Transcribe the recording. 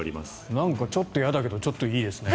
なんかちょっと嫌だけどちょっといいよね。